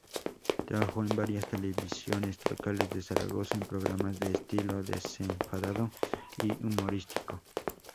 Trabajó en varias televisiones locales de Zaragoza, en programas de estilo desenfadado y humorístico.